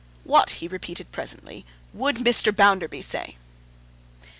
'What,' he repeated presently, 'would Mr. Bounderby say?